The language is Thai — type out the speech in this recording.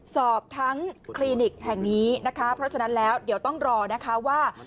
สอบทั้งคลินิกแห่งนี้นะคะเพราะฉะนั้นแล้วเดี๋ยวต้องรอนะคะว่า